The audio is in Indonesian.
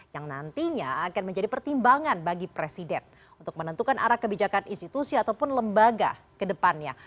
yang nantinya akan menjadi pertimbangan bagi presiden untuk menentukan arah kebijakan institusi ataupun lembaga ke depannya